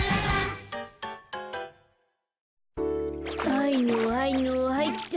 はいのはいのはいっと。